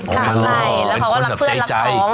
ใช่แล้วเขาก็รักเพื่อนรักของ